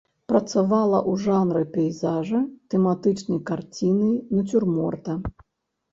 Працавала ў жанры пейзажа, тэматычнай карціны, нацюрморта.